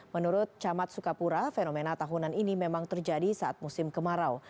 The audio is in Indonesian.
menurut camat sukapura fenomena tahunan ini memang terjadi saat musim kemarau